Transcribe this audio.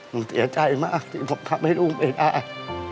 หนูเสียใจมากที่ผมทำให้ลูกไม่ได้